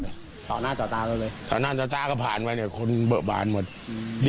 ต่อหน้าต่อตาออกเลยแบบนั้นต่อหน้าต็ผ่านอ่ะเนี่ยคนมันเบอะบาานหมด